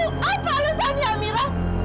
apa alesannya amira